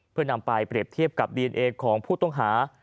เพื่อนำไปเปรียบเทียบกับดีเอนเอของผู้ต้องหา